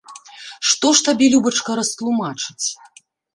Што ж табе, любачка, растлумачыць?